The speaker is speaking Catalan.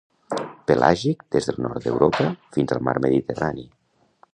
Pelàgic, des del nord d'Europa fins al mar Mediterrani.